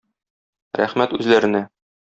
Рәхмәт үзләренә.